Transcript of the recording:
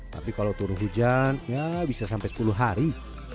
tapi kalau turun hujan ya bisa sampai sepuluh hari